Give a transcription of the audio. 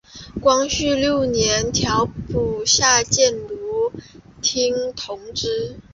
光绪六年调补打箭炉厅同知。